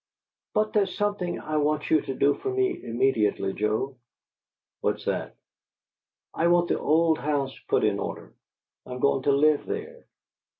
"But there's something I want you to do for me immediately, Joe." "What's that?" "I want the old house put in order. I'm going to live there."